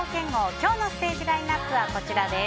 今日のステージラインアップはこちらです。